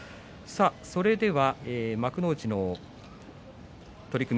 それでは幕内の取組